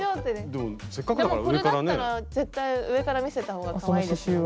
でもこれだったら絶対上から見せた方がかわいいですよね。